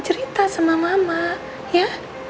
cerita sama mama ya